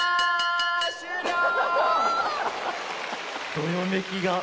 どよめきが。